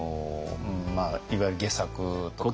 いわゆる戯作とかですね。